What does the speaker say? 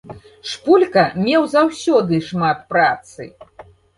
Шпулька меў заўсёды шмат працы.